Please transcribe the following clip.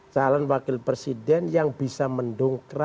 calon wakil presiden yang bisa mendongkrak